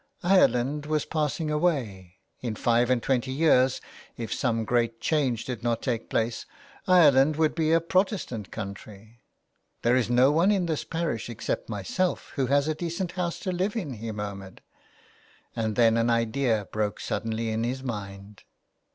Ireland was passing away. In five and twenty years, if some great change did not take place, Ireland would be a Protestant country. " There is no one in this parish except myself who has a decent house to live in," he murmured ; and then an idea broke suddenly in his mind.